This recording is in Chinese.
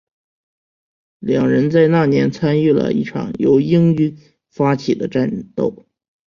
两人在那年参与了一场由英军发起的战斗。